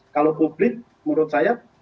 kalau publik menurut saya